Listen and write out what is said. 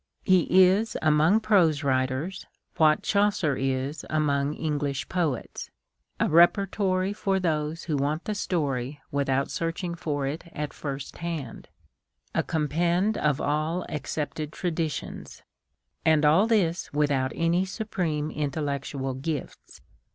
He is, among prose writers, what Chaucer is among English poets, a repertory for those who want the story without searching for it at first hand, — a compend of all accepted traditions. And all this without any supreme intellect ual gifts.